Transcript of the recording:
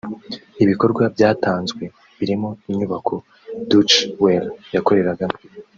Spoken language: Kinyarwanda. Ibikorwa byatanzwe birimo inyubako Deutche Welle yakoreragamo